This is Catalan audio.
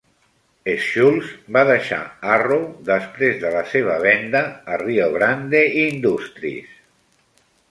Schulze va deixar Arrow després de la seva venda a Rio Grande Industries.